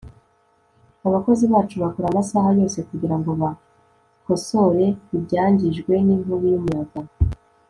Abakozi bacu bakora amasaha yose kugirango bakosore ibyangijwe ninkubi yumuyaga